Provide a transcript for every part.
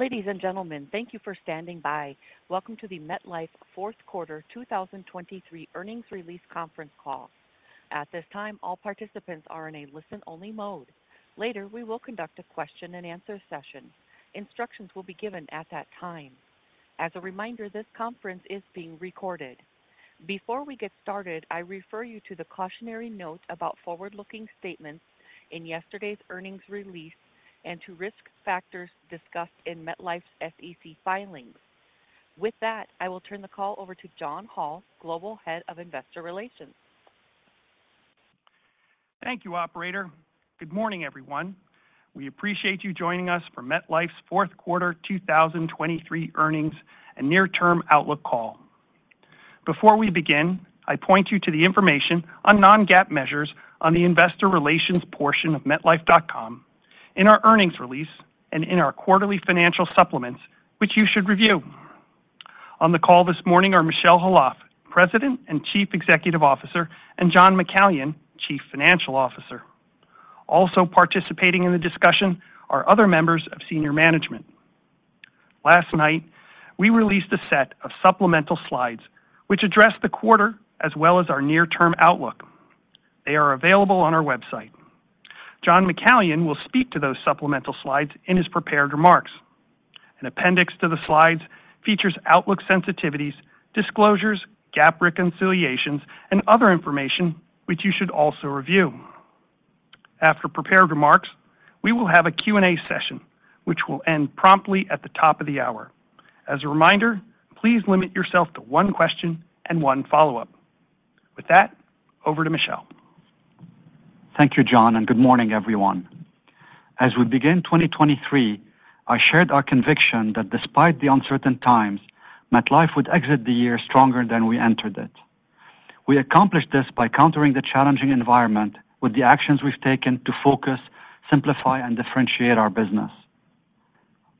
Ladies and gentlemen, thank you for standing by. Welcome to the MetLife fourth quarter 2023 earnings release conference call. At this time, all participants are in a listen-only mode. Later, we will conduct a question-and-answer session. Instructions will be given at that time. As a reminder, this conference is being recorded. Before we get started, I refer you to the cautionary note about forward-looking statements in yesterday's earnings release and to risk factors discussed in MetLife's SEC filings. With that, I will turn the call over to John Hall, Global Head of Investor Relations. Thank you, operator. Good morning, everyone. We appreciate you joining us for MetLife's fourth quarter 2023 earnings and near-term outlook call. Before we begin, I point you to the information on non-GAAP measures on the investor relations portion of MetLife.com, in our earnings release, and in our quarterly financial supplements, which you should review. On the call this morning are Michel Khalaf, President and Chief Executive Officer, and John McCallion, Chief Financial Officer. Also participating in the discussion are other members of senior management. Last night, we released a set of supplemental slides which address the quarter as well as our near-term outlook. They are available on our website. John McCallion will speak to those supplemental slides in his prepared remarks. An appendix to the slides features outlook sensitivities, disclosures, GAAP reconciliations, and other information which you should also review. After prepared remarks, we will have a Q&A session, which will end promptly at the top of the hour. As a reminder, please limit yourself to one question and one follow-up. With that, over to Michel. Thank you, John, and good morning, everyone. As we begin 2023, I shared our conviction that despite the uncertain times, MetLife would exit the year stronger than we entered it. We accomplished this by countering the challenging environment with the actions we've taken to focus, simplify, and differentiate our business.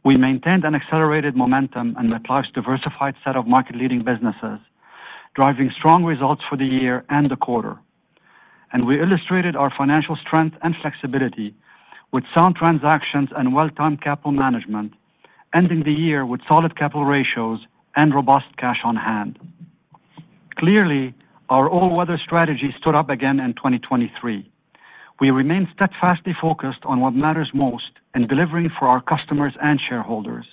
We maintained an accelerated momentum in MetLife's diversified set of market-leading businesses, driving strong results for the year and the quarter. We illustrated our financial strength and flexibility with sound transactions and well-timed capital management, ending the year with solid capital ratios and robust cash on hand. Clearly, our all-weather strategy stood up again in 2023. We remain steadfastly focused on what matters most in delivering for our customers and shareholders.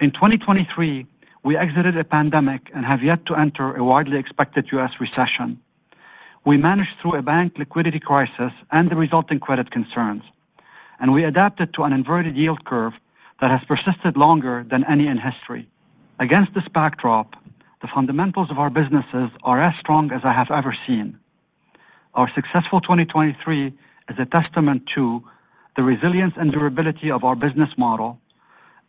In 2023, we exited a pandemic and have yet to enter a widely expected U.S. recession. We managed through a bank liquidity crisis and the resulting credit concerns, and we adapted to an inverted yield curve that has persisted longer than any in history. Against this backdrop, the fundamentals of our businesses are as strong as I have ever seen. Our successful 2023 is a testament to the resilience and durability of our business model,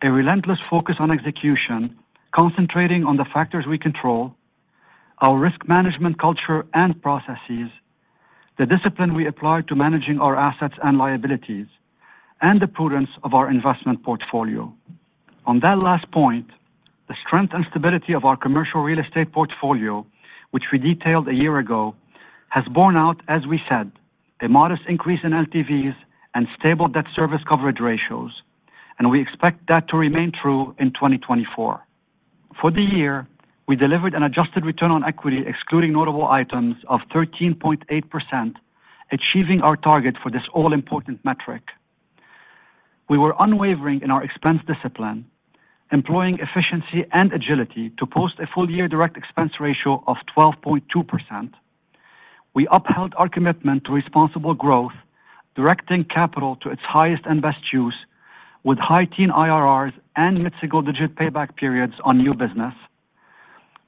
a relentless focus on execution, concentrating on the factors we control, our risk management culture and processes, the discipline we apply to managing our assets and liabilities, and the prudence of our investment portfolio. On that last point, the strength and stability of our commercial real estate portfolio, which we detailed a year ago, has borne out, as we said, a modest increase in LTVs and stable debt service coverage ratios, and we expect that to remain true in 2024. For the year, we delivered an adjusted return on equity, excluding notable items, of 13.8%, achieving our target for this all-important metric. We were unwavering in our expense discipline, employing efficiency and agility to post a full-year direct expense ratio of 12.2%. We upheld our commitment to responsible growth, directing capital to its highest and best use with high-teen IRRs and mid-single-digit payback periods on new business.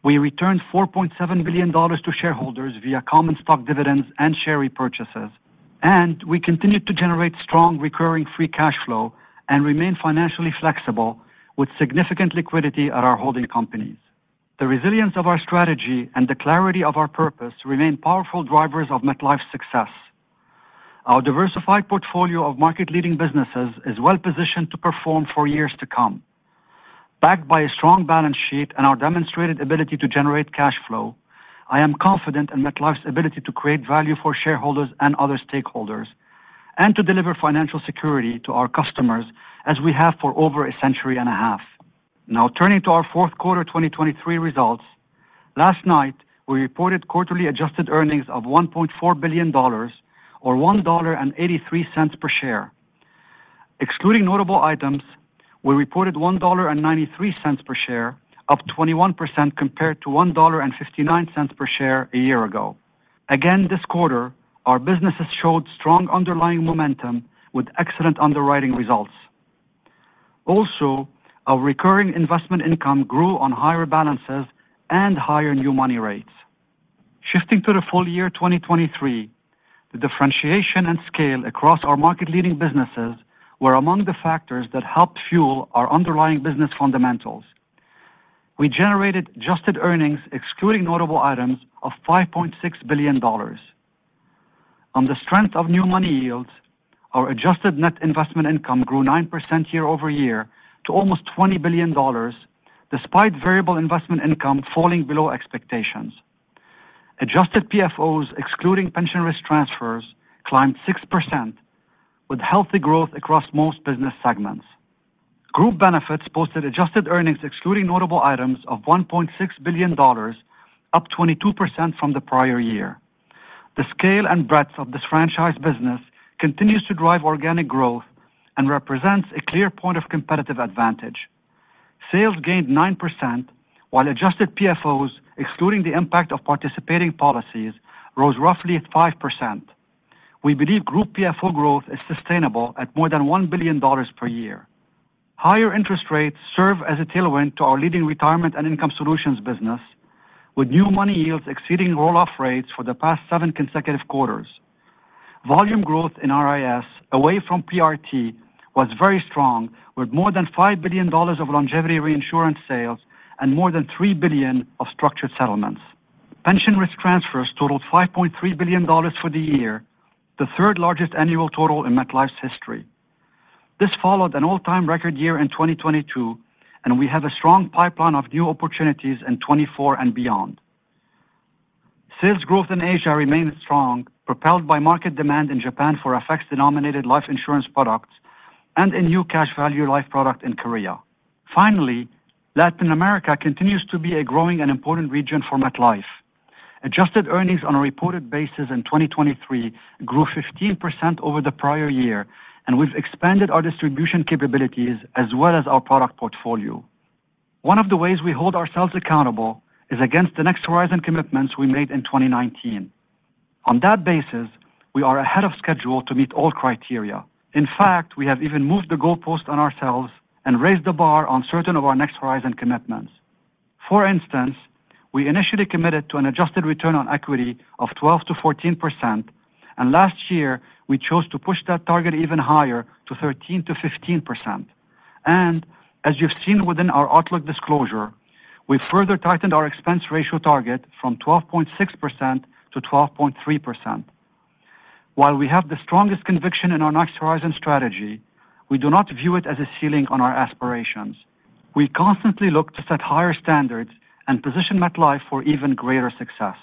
We returned $4.7 billion to shareholders via common stock dividends and share repurchases, and we continued to generate strong, recurring free cash flow and remain financially flexible with significant liquidity at our holding companies. The resilience of our strategy and the clarity of our purpose remain powerful drivers of MetLife's success. Our diversified portfolio of market-leading businesses is well-positioned to perform for years to come. Backed by a strong balance sheet and our demonstrated ability to generate cash flow, I am confident in MetLife's ability to create value for shareholders and other stakeholders, and to deliver financial security to our customers, as we have for over a century and a half. Now, turning to our fourth quarter 2023 results. Last night, we reported quarterly adjusted earnings of $1.4 billion or $1.83 per share. Excluding notable items, we reported $1.93 per share, up 21% compared to $1.59 per share a year ago. Again, this quarter, our businesses showed strong underlying momentum with excellent underwriting results. Also, our recurring investment income grew on higher balances and higher new money rates. Shifting to the full year 2023, the differentiation and scale across our market-leading businesses were among the factors that helped fuel our underlying business fundamentals. We generated adjusted earnings, excluding notable items, of $5.6 billion. On the strength of new money yields, our adjusted net investment income grew 9% year-over-year to almost $20 billion, despite variable investment income falling below expectations. Adjusted PFOs, excluding pension risk transfers, climbed 6% with healthy growth across most business segments. Group Benefits posted adjusted earnings, excluding notable items, of $1.6 billion, up 22% from the prior year. The scale and breadth of this franchise business continues to drive organic growth and represents a clear point of competitive advantage. Sales gained 9% while Adjusted PFOs, excluding the impact of participating policies, rose roughly at 5%. We believe Group PFO growth is sustainable at more than $1 billion per year. Higher interest rates serve as a tailwind to our leading Retirement & Income Solutions business, with new money yields exceeding roll-off rates for the past seven consecutive quarters. Volume growth in RIS away from PRT was very strong, with more than $5 billion of longevity reinsurance sales and more than $3 billion of structured settlements. Pension risk transfers totaled $5.3 billion for the year, the third-largest annual total in MetLife's history. This followed an all-time record year in 2022, and we have a strong pipeline of new opportunities in 2024 and beyond. Sales growth in Asia remained strong, propelled by market demand in Japan for FX-denominated life insurance products and a new cash value life product in Korea. Finally, Latin America continues to be a growing and important region for MetLife. Adjusted earnings on a reported basis in 2023 grew 15% over the prior year, and we've expanded our distribution capabilities as well as our product portfolio. One of the ways we hold ourselves accountable is against the Next Horizon commitments we made in 2019. On that basis, we are ahead of schedule to meet all criteria. In fact, we have even moved the goalpost on ourselves and raised the bar on certain of our Next Horizon commitments. For instance, we initially committed to an adjusted return on equity of 12%-14%, and last year we chose to push that target even higher to 13%-15%. And as you've seen within our outlook disclosure, we've further tightened our expense ratio target from 12.6% to 12.3%. While we have the strongest conviction in our Next Horizon strategy, we do not view it as a ceiling on our aspirations. We constantly look to set higher standards and position MetLife for even greater success.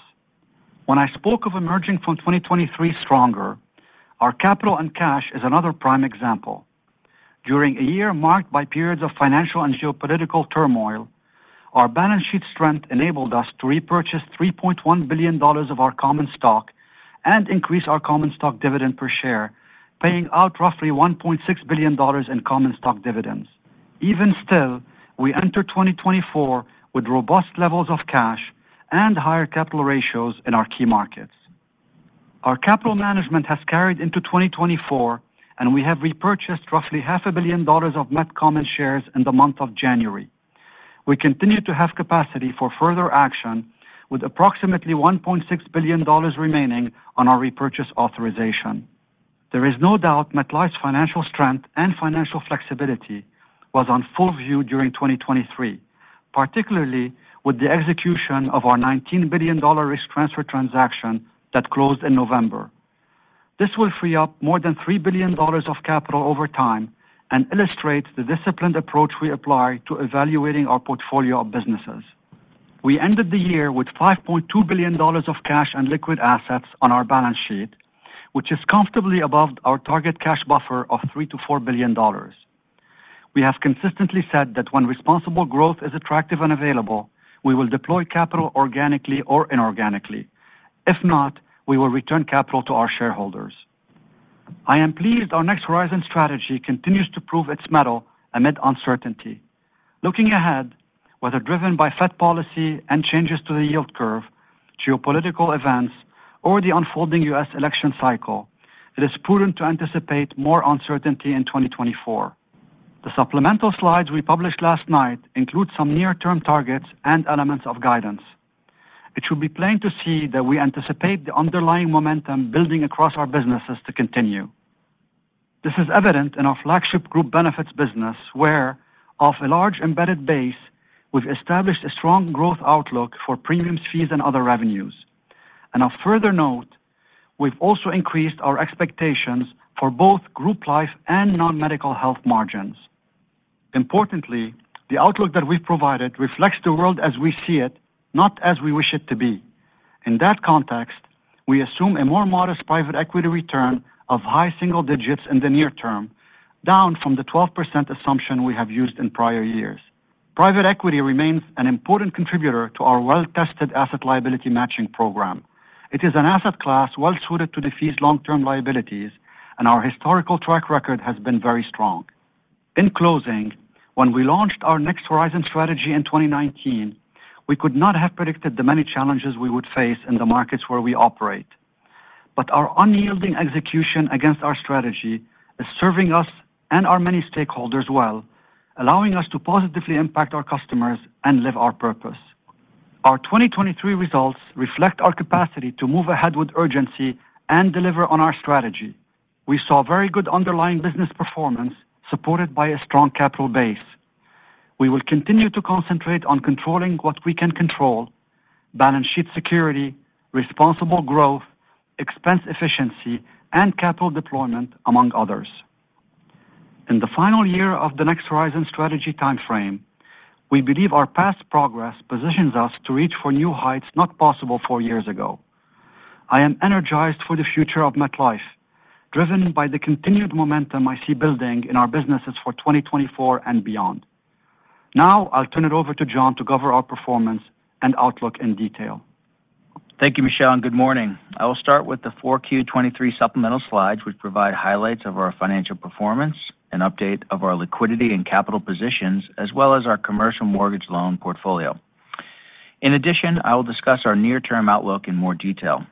When I spoke of emerging from 2023 stronger, our capital and cash is another prime example. During a year marked by periods of financial and geopolitical turmoil, our balance sheet strength enabled us to repurchase $3.1 billion of our common stock and increase our common stock dividend per share, paying out roughly $1.6 billion in common stock dividends. Even still, we enter 2024 with robust levels of cash and higher capital ratios in our key markets. Our capital management has carried into 2024, and we have repurchased roughly $500 million of Met common shares in the month of January. We continue to have capacity for further action, with approximately $1.6 billion remaining on our repurchase authorization. There is no doubt MetLife's financial strength and financial flexibility was on full view during 2023, particularly with the execution of our $19 billion risk transfer transaction that closed in November. This will free up more than $3 billion of capital over time and illustrates the disciplined approach we apply to evaluating our portfolio of businesses. We ended the year with $5.2 billion of cash and liquid assets on our balance sheet, which is comfortably above our target cash buffer of $3 billion-$4 billion. We have consistently said that when responsible growth is attractive and available, we will deploy capital organically or inorganically. If not, we will return capital to our shareholders. I am pleased our Next Horizon strategy continues to prove its mettle amid uncertainty. Looking ahead, whether driven by Fed policy and changes to the yield curve, geopolitical events, or the unfolding U.S. election cycle, it is prudent to anticipate more uncertainty in 2024. The supplemental slides we published last night include some near-term targets and elements of guidance. It should be plain to see that we anticipate the underlying momentum building across our businesses to continue. This is evident in our flagship Group Benefits business, where off a large, embedded base, we've established a strong growth outlook for premiums, fees, and other revenues. And of further note, we've also increased our expectations for both group life and non-medical health margins. Importantly, the outlook that we've provided reflects the world as we see it, not as we wish it to be. In that context, we assume a more modest private equity return of high single digits in the near term, down from the 12% assumption we have used in prior years. Private equity remains an important contributor to our well-tested asset liability matching program. It is an asset class well suited to defease long-term liabilities, and our historical track record has been very strong. In closing, when we launched our Next Horizon strategy in 2019, we could not have predicted the many challenges we would face in the markets where we operate. But our unyielding execution against our strategy is serving us and our many stakeholders well, allowing us to positively impact our customers and live our purpose. Our 2023 results reflect our capacity to move ahead with urgency and deliver on our strategy. We saw very good underlying business performance, supported by a strong capital base. We will continue to concentrate on controlling what we can control, balance sheet security, responsible growth, expense efficiency, and capital deployment, among others. In the final year of the Next Horizon strategy timeframe, we believe our past progress positions us to reach for new heights not possible four years ago. I am energized for the future of MetLife, driven by the continued momentum I see building in our businesses for 2024 and beyond. Now, I'll turn it over to John to cover our performance and outlook in detail. Thank you, Michel, and good morning. I will start with the 4Q 2023 supplemental slides, which provide highlights of our financial performance and update of our liquidity and capital positions, as well as our commercial mortgage loan portfolio. In addition, I will discuss our near-term outlook in more detail.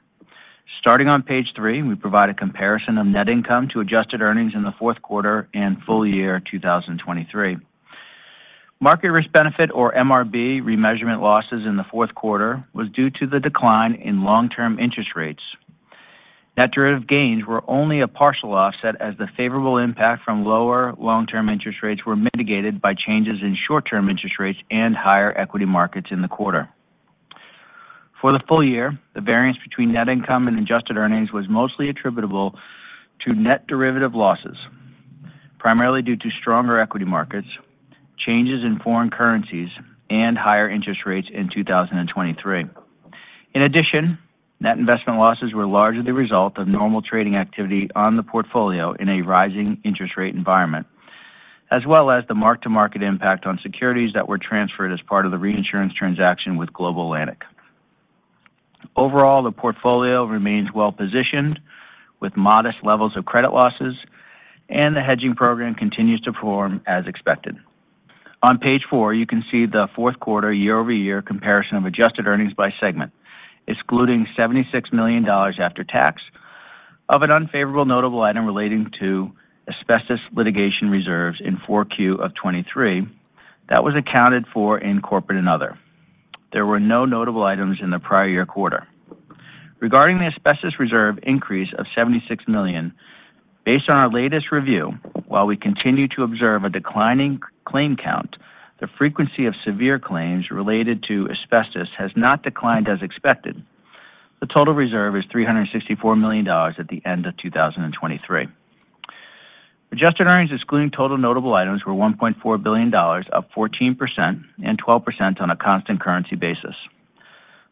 Starting on page three, we provide a comparison of net income to adjusted earnings in the fourth quarter and full year 2023. Market Risk Benefit, or MRB, remeasurement losses in the fourth quarter was due to the decline in long-term interest rates. Net derivative gains were only a partial offset, as the favorable impact from lower long-term interest rates were mitigated by changes in short-term interest rates and higher equity markets in the quarter. For the full year, the variance between net income and adjusted earnings was mostly attributable to net derivative losses, primarily due to stronger equity markets, changes in foreign currencies, and higher interest rates in 2023. In addition, net investment losses were largely the result of normal trading activity on the portfolio in a rising interest rate environment, as well as the mark-to-market impact on securities that were transferred as part of the reinsurance transaction with Global Atlantic. Overall, the portfolio remains well-positioned with modest levels of credit losses, and the hedging program continues to perform as expected. On page four, you can see the fourth quarter year-over-year comparison of adjusted earnings by segment, excluding $76 million after tax of an unfavorable notable item relating to asbestos litigation reserves in 4Q 2023. That was accounted for in Corporate and Other. There were no notable items in the prior year quarter. Regarding the asbestos reserve increase of $76 million, based on our latest review, while we continue to observe a declining claim count, the frequency of severe claims related to asbestos has not declined as expected. The total reserve is $364 million at the end of 2023. Adjusted earnings, excluding total notable items, were $1.4 billion, up 14% and 12% on a constant currency basis.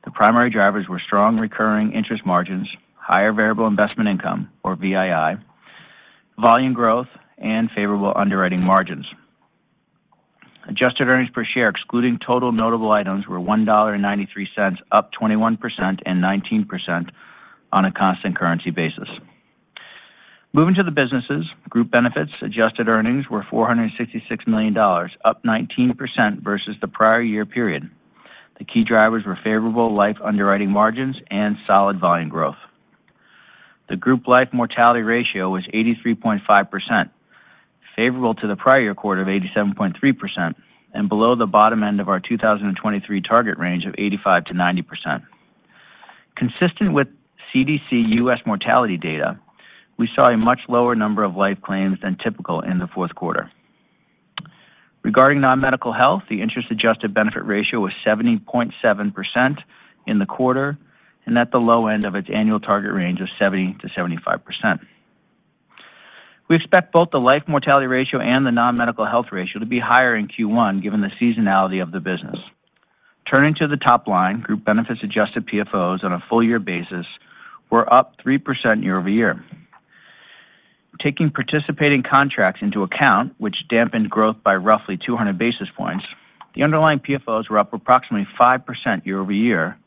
The primary drivers were strong recurring interest margins, higher variable investment income, or VII, volume growth, and favorable underwriting margins. Adjusted earnings per share, excluding total notable items, were $1.93, up 21% and 19% on a constant currency basis. Moving to the businesses, Group Benefits, adjusted earnings were $466 million, up 19% versus the prior year period. The key drivers were favorable life underwriting margins and solid volume growth. The group life mortality ratio was 83.5%, favorable to the prior quarter of 87.3% and below the bottom end of our 2023 target range of 85%-90%. Consistent with CDC U.S. mortality data, we saw a much lower number of life claims than typical in the fourth quarter. Regarding non-medical health, the interest adjusted benefit ratio was 70.7% in the quarter, and at the low end of its annual target range of 70%-75%. We expect both the life mortality ratio and the non-medical health ratio to be higher in Q1, given the seasonality of the business. Turning to the top line, Group Benefits Adjusted PFOs on a full year basis were up 3% year-over-year. Taking participating contracts into account, which dampened growth by roughly 200 basis points, the underlying PFOs were up approximately 5% year-over-year,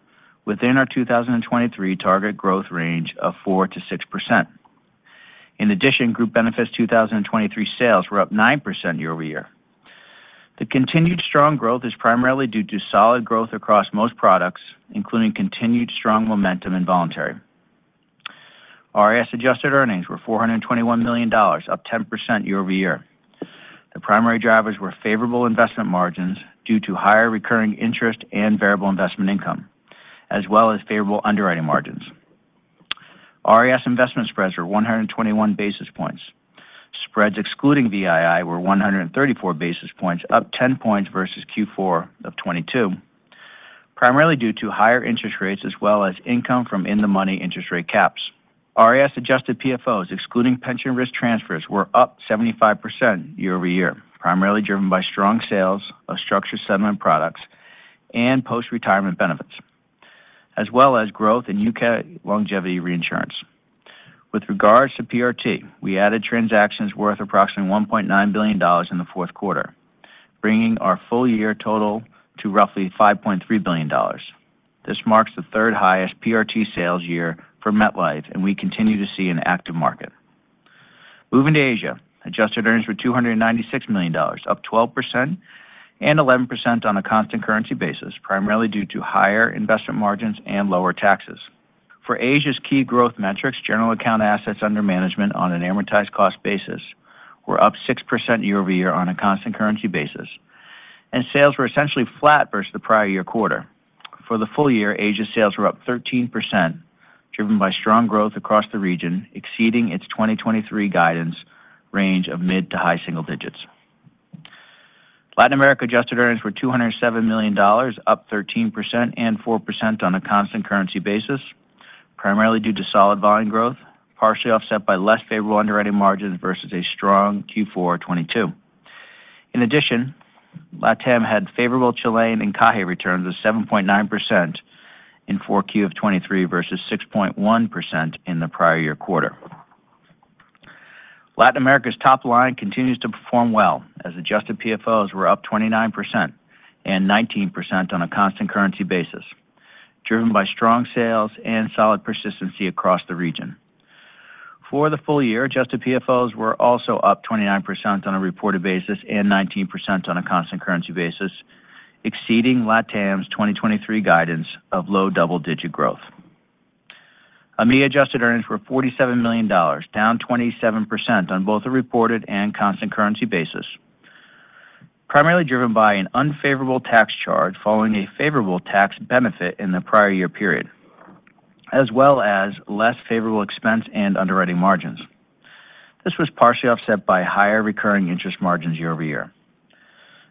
within our 2023 target growth range of 4%-6%. In addition, Group Benefits 2023 sales were up 9% year-over-year. The continued strong growth is primarily due to solid growth across most products, including continued strong momentum in voluntary. RIS adjusted earnings were $421 million, up 10% year-over-year. The primary drivers were favorable investment margins due to higher recurring interest and variable investment income, as well as favorable underwriting margins. RIS investment spreads were 121 basis points. Spreads excluding VII were 134 basis points, up 10 points versus Q4 of 2022, primarily due to higher interest rates as well as income from in-the-money interest rate caps. RIS adjusted PFOs, excluding pension risk transfers, were up 75% year-over-year, primarily driven by strong sales of structured settlement products and post-retirement benefits, as well as growth in U.K. longevity reinsurance. With regards to PRT, we added transactions worth approximately $1.9 billion in the fourth quarter, bringing our full year total to roughly $5.3 billion. This marks the third highest PRT sales year for MetLife, and we continue to see an active market. Moving to Asia. Adjusted earnings were $296 million, up 12% and 11% on a constant currency basis, primarily due to higher investment margins and lower taxes. For Asia's key growth metrics, general account assets under management on an amortized cost basis were up 6% year-over-year on a constant currency basis, and sales were essentially flat versus the prior year quarter. For the full year, Asia sales were up 13%, driven by strong growth across the region, exceeding its 2023 guidance range of mid- to high-single digits. Latin America adjusted earnings were $207 million, up 13% and 4% on a constant currency basis, primarily due to solid volume growth, partially offset by less favorable underwriting margins versus a strong Q4 2022. In addition, LatAm had favorable Chilean encaje returns of 7.9% in 4Q 2023 versus 6.1% in the prior year quarter. Latin America's top line continues to perform well, as adjusted PFOs were up 29% and 19% on a constant currency basis, driven by strong sales and solid persistency across the region. For the full year, adjusted PFOs were also up 29% on a reported basis and 19% on a constant currency basis, exceeding LatAm's 2023 guidance of low double-digit growth. EMEA adjusted earnings were $47 million, down 27% on both a reported and constant currency basis, primarily driven by an unfavorable tax charge following a favorable tax benefit in the prior year period, as well as less favorable expense and underwriting margins. This was partially offset by higher recurring interest margins year-over-year.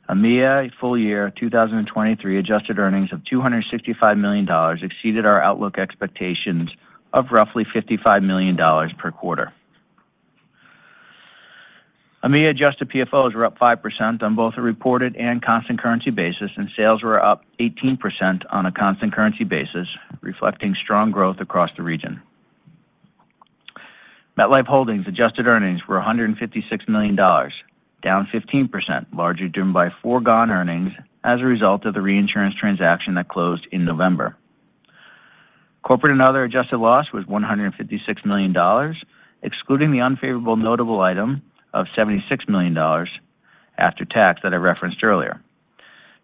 EMEA full year 2023 adjusted earnings of $265 million exceeded our outlook expectations of roughly $55 million per quarter. EMEA adjusted PFOs were up 5% on both a reported and constant currency basis, and sales were up 18% on a constant currency basis, reflecting strong growth across the region. MetLife Holdings adjusted earnings were $156 million, down 15%, largely driven by foregone earnings as a result of the reinsurance transaction that closed in November. Corporate and Other adjusted loss was $156 million, excluding the unfavorable notable item of $76 million after tax that I referenced earlier.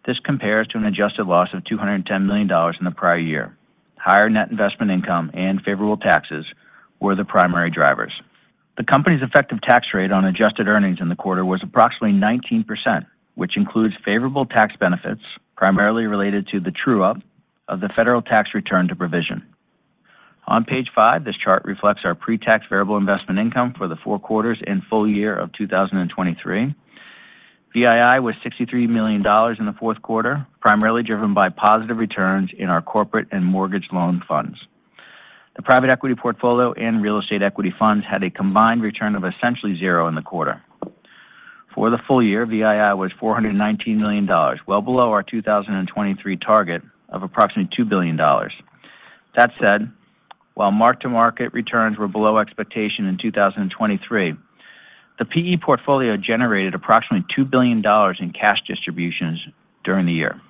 This compares to an adjusted loss of $210 million in the prior year. Higher net investment income and favorable taxes were the primary drivers. The company's effective tax rate on adjusted earnings in the quarter was approximately 19%, which includes favorable tax benefits, primarily related to the true-up of the federal tax return to provision. On page five, this chart reflects our pre-tax variable investment income for the four quarters and full year of 2023. VII was $63 million in the fourth quarter, primarily driven by positive returns in our corporate and mortgage loan funds. The private equity portfolio and real estate equity funds had a combined return of essentially zero in the quarter. For the full year, VII was $419 million, well below our 2023 target of approximately $2 billion. That said, while mark-to-market returns were below expectation in 2023, the PE portfolio generated approximately $2 billion in cash distributions during the year.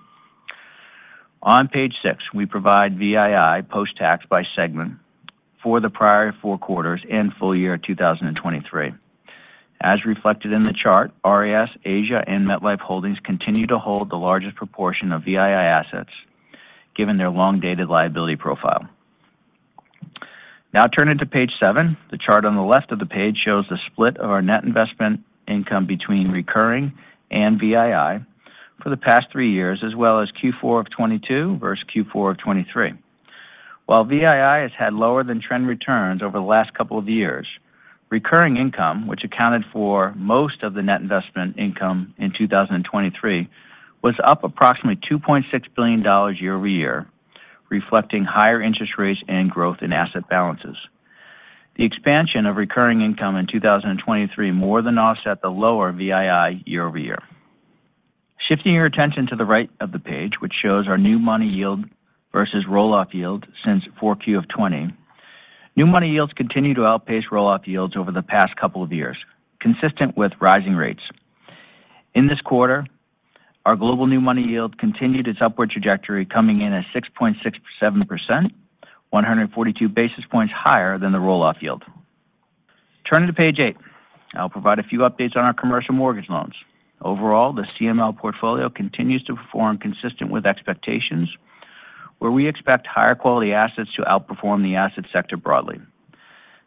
On page six, we provide VII post-tax by segment for the prior four quarters and full year 2023. As reflected in the chart, RIS, Asia, and MetLife Holdings continue to hold the largest proportion of VII assets, given their long-dated liability profile. Now turning to page seven. The chart on the left of the page shows the split of our net investment income between recurring and VII for the past three years, as well as Q4 of 2022 versus Q4 of 2023. While VII has had lower than trend returns over the last couple of years, recurring income, which accounted for most of the net investment income in 2023, was up approximately $2.6 billion year-over-year, reflecting higher interest rates and growth in asset balances. The expansion of recurring income in 2023 more than offset the lower VII year-over-year. Shifting your attention to the right of the page, which shows our new money yield versus roll-off yield since 4Q of 2020. New money yields continue to outpace roll-off yields over the past couple of years, consistent with rising rates. In this quarter, our global new money yield continued its upward trajectory, coming in at 6.67%, 142 basis points higher than the roll-off yield. Turning to page eight, I'll provide a few updates on our commercial mortgage loans. Overall, the CML portfolio continues to perform consistent with expectations, where we expect higher quality assets to outperform the asset sector broadly.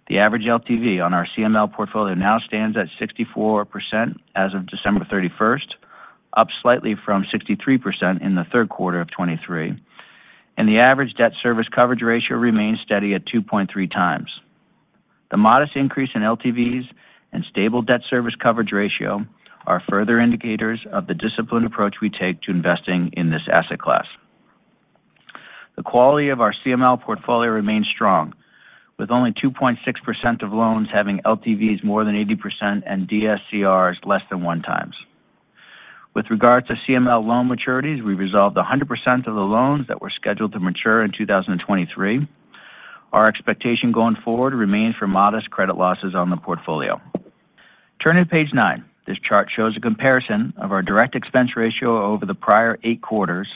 The average LTV on our CML portfolio now stands at 64% as of December 31st, up slightly from 63% in the third quarter of 2023, and the average debt service coverage ratio remains steady at 2.3x. The modest increase in LTVs and stable debt service coverage ratio are further indicators of the disciplined approach we take to investing in this asset class. The quality of our CML portfolio remains strong, with only 2.6% of loans having LTVs more than 80% and DSCRs less than 1x. With regards to CML loan maturities, we resolved 100% of the loans that were scheduled to mature in 2023. Our expectation going forward remains for modest credit losses on the portfolio. Turning to page nine. This chart shows a comparison of our direct expense ratio over the prior eight quarters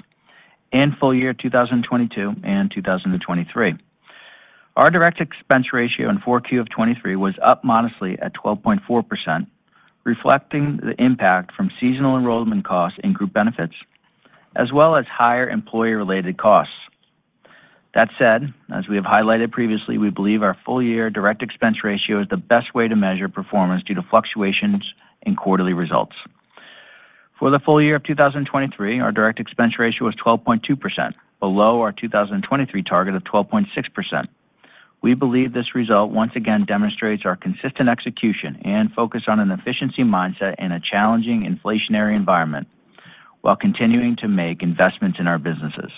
and full year 2022 and 2023. Our direct expense ratio in Q4 of 2023 was up modestly at 12.4%, reflecting the impact from seasonal enrollment costs in Group Benefits, as well as higher employee-related costs. That said, as we have highlighted previously, we believe our full-year direct expense ratio is the best way to measure performance due to fluctuations in quarterly results. For the full year of 2023, our direct expense ratio was 12.2%, below our 2023 target of 12.6%. We believe this result once again demonstrates our consistent execution and focus on an efficiency mindset in a challenging inflationary environment, while continuing to make investments in our businesses.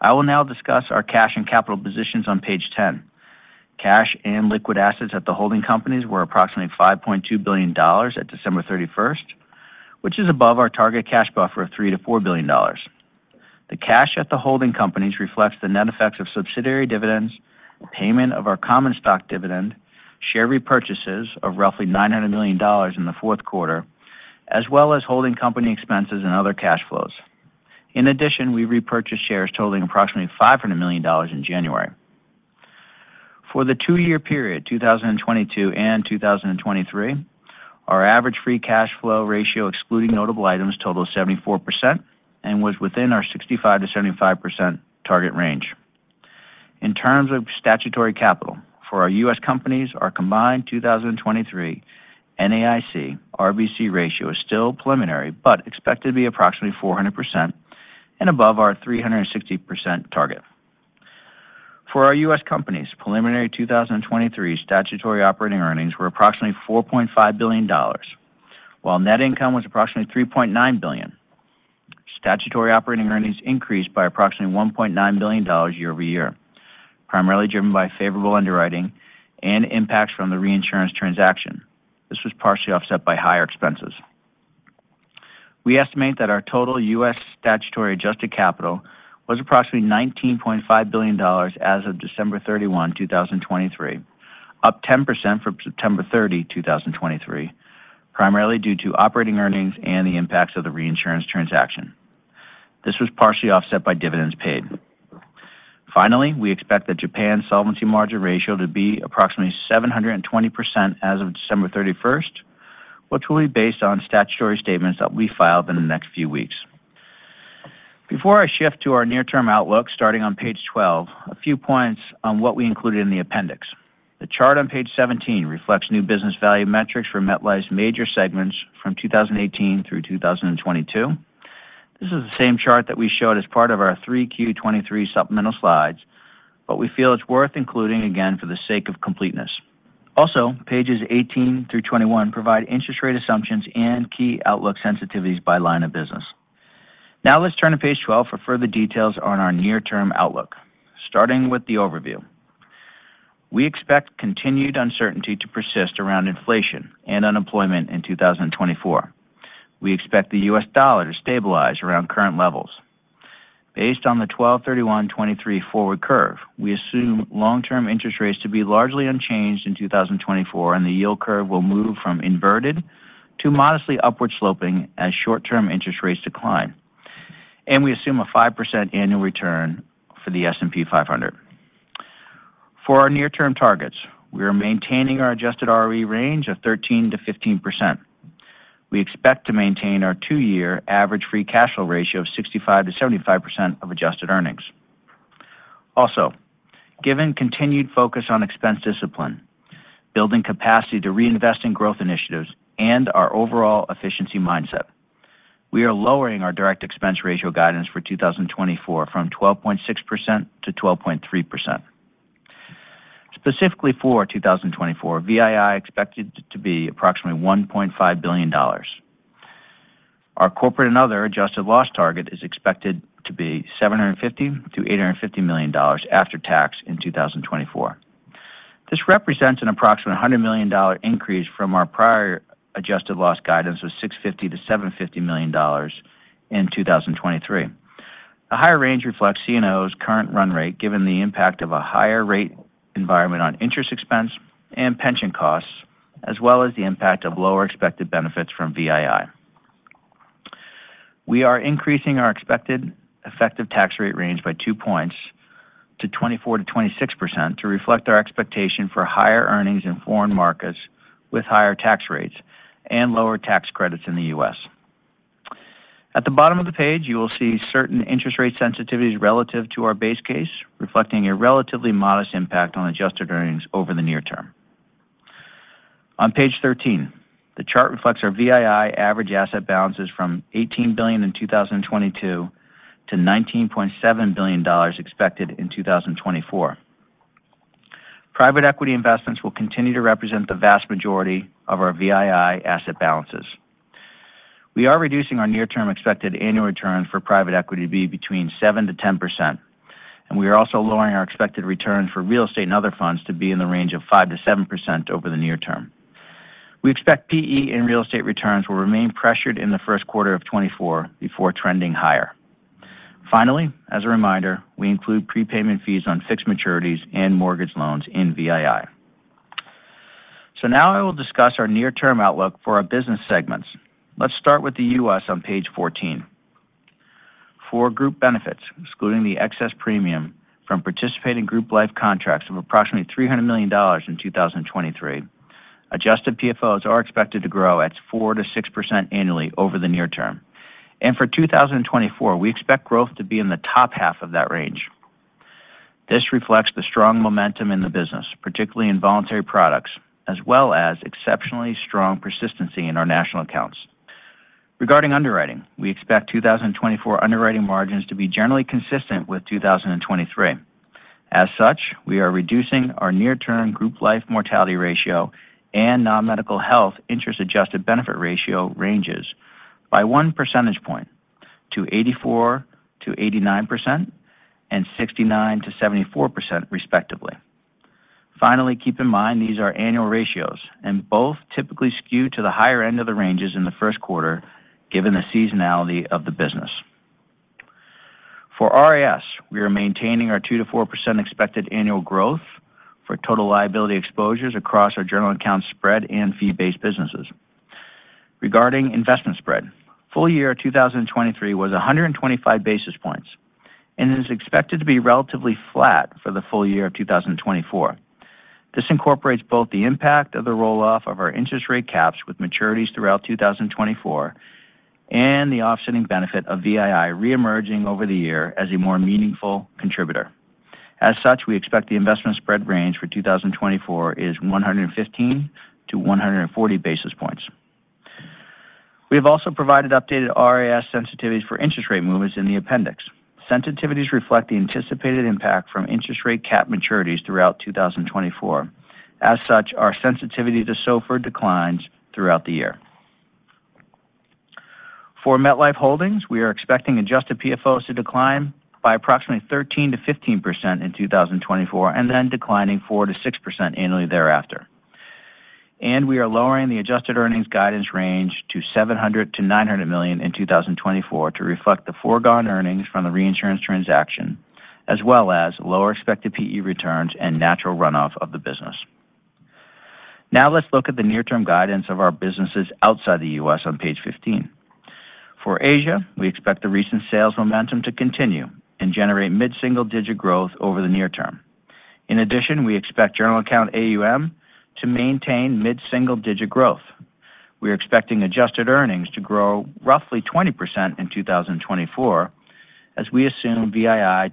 I will now discuss our cash and capital positions on page 10. Cash and liquid assets at the holding companies were approximately $5.2 billion at December 31st, which is above our target cash buffer of $3 billion-$4 billion. The cash at the holding companies reflects the net effects of subsidiary dividends, payment of our common stock dividend, share repurchases of roughly $900 million in the fourth quarter, as well as holding company expenses and other cash flows. In addition, we repurchased shares totaling approximately $500 million in January. For the two-year period, 2022 and 2023, our average free cash flow ratio, excluding notable items, totaled 74% and was within our 65%-75% target range. In terms of statutory capital, for our U.S. companies, our combined 2023 NAIC RBC ratio is still preliminary, but expected to be approximately 400% and above our 360% target. For our U.S. companies, preliminary 2023 statutory operating earnings were approximately $4.5 billion, while net income was approximately $3.9 billion. Statutory operating earnings increased by approximately $1.9 billion year-over-year, primarily driven by favorable underwriting and impacts from the reinsurance transaction. This was partially offset by higher expenses. We estimate that our total U.S. statutory adjusted capital was approximately $19.5 billion as of December 31, 2023, up 10% from September 30, 2023, primarily due to operating earnings and the impacts of the reinsurance transaction. This was partially offset by dividends paid. Finally, we expect the Japan Solvency Margin Ratio to be approximately 720% as of December 31st, which will be based on statutory statements that we file within the next few weeks. Before I shift to our near-term outlook, starting on page 12, a few points on what we included in the appendix. The chart on page 17 reflects new business value metrics for MetLife's major segments from 2018 through 2022. This is the same chart that we showed as part of our 3Q 2023 supplemental slides, but we feel it's worth including again for the sake of completeness. Also, pages 18 through 21 provide interest rate assumptions and key outlook sensitivities by line of business. Now let's turn to page 12 for further details on our near-term outlook. Starting with the overview. We expect continued uncertainty to persist around inflation and unemployment in 2024. We expect the U.S. dollar to stabilize around current levels. Based on the 12/31/2023 forward curve, we assume long-term interest rates to be largely unchanged in 2024, and the yield curve will move from inverted to modestly upward sloping as short-term interest rates decline. And we assume a 5% annual return for the S&P 500. For our near-term targets, we are maintaining our adjusted ROE range of 13%-15%. We expect to maintain our two-year average free cash flow ratio of 65%-75% of adjusted earnings. Also, given continued focus on expense discipline, building capacity to reinvest in growth initiatives, and our overall efficiency mindset, we are lowering our direct expense ratio guidance for 2024 from 12.6% to 12.3%. Specifically for 2024, VII expected to be approximately $1.5 billion. Our Corporate and Other adjusted loss target is expected to be $750 million-$850 million after tax in 2024. This represents an approximate $100 million increase from our prior adjusted loss guidance of $650 million-$750 million in 2023. A higher range reflects C&O's current run rate, given the impact of a higher rate environment on interest expense and pension costs, as well as the impact of lower expected benefits from VII. We are increasing our expected effective tax rate range by two points to 24%-26% to reflect our expectation for higher earnings in foreign markets with higher tax rates and lower tax credits in the U.S. At the bottom of the page, you will see certain interest rate sensitivities relative to our base case, reflecting a relatively modest impact on adjusted earnings over the near term. On page 13, the chart reflects our VII average asset balances from $18 billion in 2022 to $19.7 billion expected in 2024. Private equity investments will continue to represent the vast majority of our VII asset balances. We are reducing our near-term expected annual return for private equity to be between 7%-10%, and we are also lowering our expected return for real estate and other funds to be in the range of 5%-7% over the near term. We expect PE and real estate returns will remain pressured in the first quarter of 2024 before trending higher. Finally, as a reminder, we include prepayment fees on fixed maturities and mortgage loans in VII. So now I will discuss our near-term outlook for our business segments. Let's start with the U.S. on page 14. For Group Benefits, excluding the excess premium from participating group life contracts of approximately $300 million in 2023, adjusted PFOs are expected to grow at 4%-6% annually over the near term. For 2024, we expect growth to be in the top half of that range. This reflects the strong momentum in the business, particularly in voluntary products, as well as exceptionally strong persistency in our national accounts. Regarding underwriting, we expect 2024 underwriting margins to be generally consistent with 2023. As such, we are reducing our near-term group life mortality ratio and non-medical health interest adjusted benefit ratio ranges by 1 percentage point to 84%-89% and 69%-74% respectively. Finally, keep in mind, these are annual ratios, and both typically skew to the higher end of the ranges in the first quarter, given the seasonality of the business. For RIS, we are maintaining our 2%-4% expected annual growth for total liability exposures across our general account spread and fee-based businesses. Regarding investment spread, full year 2023 was 125 basis points, and is expected to be relatively flat for the full year of 2024. This incorporates both the impact of the roll-off of our interest rate caps with maturities throughout 2024, and the offsetting benefit of VII reemerging over the year as a more meaningful contributor. As such, we expect the investment spread range for 2024 is 115-140 basis points. We have also provided updated RIS sensitivities for interest rate movements in the appendix. Sensitivities reflect the anticipated impact from interest rate cap maturities throughout 2024. As such, our sensitivity to rate declines throughout the year. For MetLife Holdings, we are expecting adjusted PFOs to decline by approximately 13%-15% in 2024, and then declining 4%-6% annually thereafter. We are lowering the adjusted earnings guidance range to $700 million-$900 million in 2024 to reflect the foregone earnings from the reinsurance transaction, as well as lower expected PE returns and natural runoff of the business. Now, let's look at the near-term guidance of our businesses outside the U.S. on page 15. For Asia, we expect the recent sales momentum to continue and generate mid-single-digit growth over the near term. In addition, we expect general account AUM to maintain mid-single-digit growth. We are expecting adjusted earnings to grow roughly 20% in 2024, as we assume VII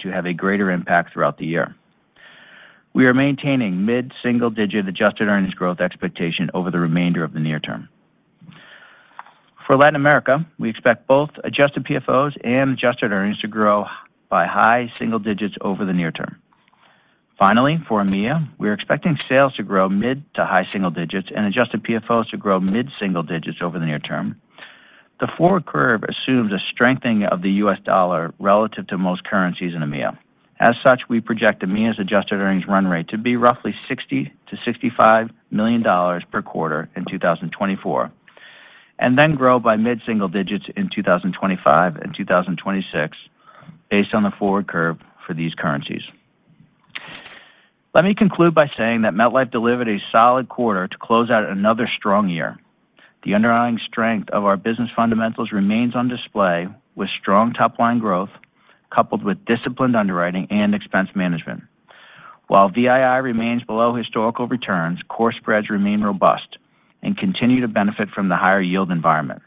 to have a greater impact throughout the year. We are maintaining mid-single digit adjusted earnings growth expectation over the remainder of the near term. For Latin America, we expect both adjusted PFOs and adjusted earnings to grow by high single digits over the near term. Finally, for EMEA, we are expecting sales to grow mid to high single digits and adjusted PFOs to grow mid single digits over the near term. The forward curve assumes a strengthening of the U.S. dollar relative to most currencies in EMEA. As such, we project EMEA's adjusted earnings run rate to be roughly $60 million-$65 million per quarter in 2024, and then grow by mid-single digits in 2025 and 2026, based on the forward curve for these currencies. Let me conclude by saying that MetLife delivered a solid quarter to close out another strong year. The underlying strength of our business fundamentals remains on display, with strong top-line growth, coupled with disciplined underwriting and expense management. While VII remains below historical returns, core spreads remain robust and continue to benefit from the higher yield environment.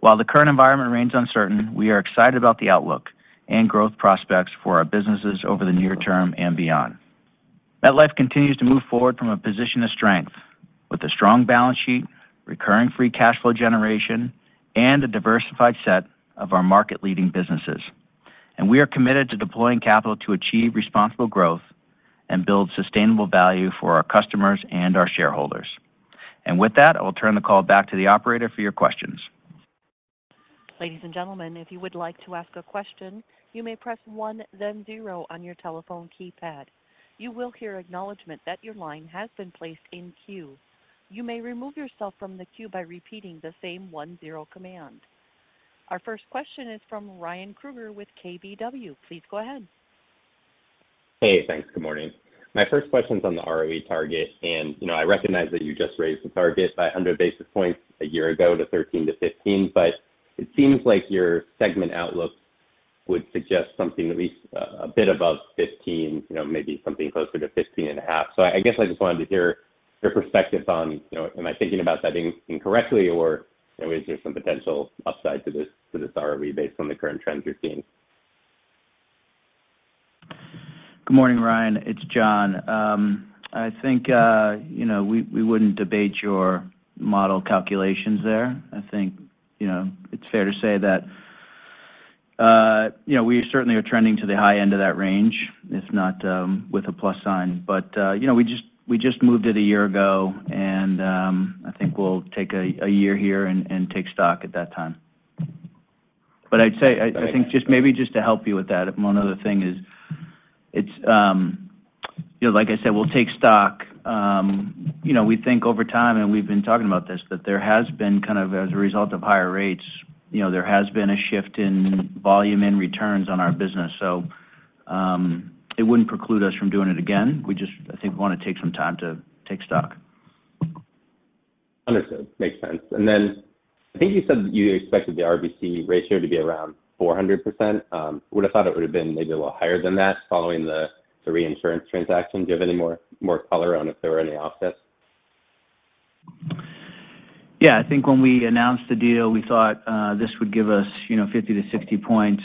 While the current environment remains uncertain, we are excited about the outlook and growth prospects for our businesses over the near term and beyond. MetLife continues to move forward from a position of strength with a strong balance sheet, recurring free cash flow generation, and a diversified set of our market-leading businesses. We are committed to deploying capital to achieve responsible growth and build sustainable value for our customers and our shareholders. With that, I will turn the call back to the operator for your questions. Ladies and gentlemen, if you would like to ask a question, you may press one, then zero on your telephone keypad. You will hear acknowledgment that your line has been placed in queue. You may remove yourself from the queue by repeating the same one zero command. Our first question is from Ryan Krueger with KBW. Please go ahead. Hey, thanks. Good morning. My first question is on the ROE target, and you know I recognize that you just raised the target by 100 basis points a year ago to 13-15, but it seems like your segment outlook would suggest something at least a bit above 15, you know, maybe something closer to 15.5. So I guess I just wanted to hear your perspective on, you know, am I thinking about that incorrectly, or is there some potential upside to this, to this ROE based on the current trends you're seeing? Good morning, Ryan, it's John. I think, you know, we wouldn't debate your model calculations there. I think, you know, it's fair to say that, you know, we certainly are trending to the high end of that range, if not, with a plus sign. But, you know, we just moved it a year ago, and, I think we'll take a year here and take stock at that time. But I'd say, I think just maybe to help you with that, one other thing is, it's, you know, like I said, we'll take stock. You know, we think over time, and we've been talking about this, that there has been kind of, as a result of higher rates, you know, there has been a shift in volume in returns on our business. It wouldn't preclude us from doing it again. We just, I think, want to take some time to take stock. Understood. Makes sense. And then I think you said you expected the RBC ratio to be around 400%. Would have thought it would have been maybe a little higher than that following the reinsurance transaction. Do you have any more color on if there were any offsets? Yeah, I think when we announced the deal, we thought this would give us, you know, 50-60 points.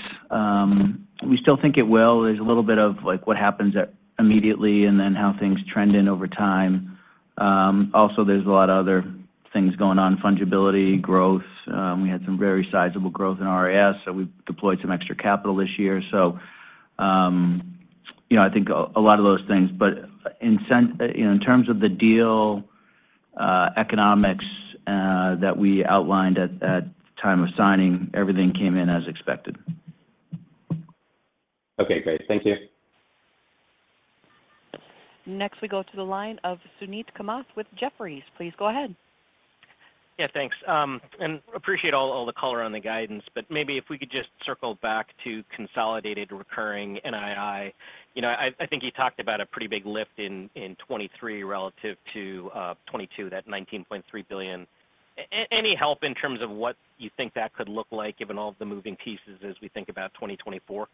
We still think it will. There's a little bit of like what happens immediately and then how things trend in over time. Also, there's a lot of other things going on, fungibility, growth. We had some very sizable growth in RIS, so we deployed some extra capital this year. So, you know, I think a lot of those things. But in sense, you know, in terms of the deal economics that we outlined at time of signing, everything came in as expected. Okay, great. Thank you. Next, we go to the line of Suneet Kamath with Jefferies. Please go ahead. Yeah, thanks. And appreciate all the color on the guidance, but maybe if we could just circle back to consolidated recurring NII. You know, I think you talked about a pretty big lift in 2023 relative to 2022, that $19.3 billion. Any help in terms of what you think that could look like, given all of the moving pieces as we think about 2024?